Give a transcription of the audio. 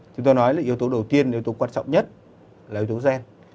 chúng tôi nói là yếu tố đầu tiên yếu tố quan trọng nhất là yếu tố gen